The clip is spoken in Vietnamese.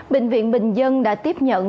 bệnh viện bình dân đã tiếp nhận